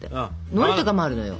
のりとかもあるのよ。